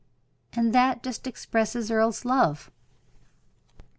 "And that just expresses Earle's love."